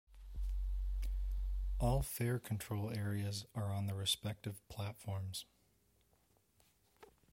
All fare control areas are on the respective platforms.